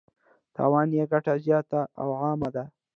تاوان یې ګټه زیاته او عامه ده.